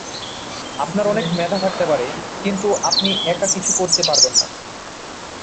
আপনার অনেক মেধা থাকতে পারে, কিন্তু আপনি একা কিছু করতে পারবেন না।